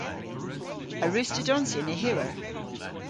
A wruss'ta donsya nyhewer?